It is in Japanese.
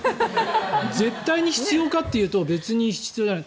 絶対に必要かっていうと別に必要じゃない。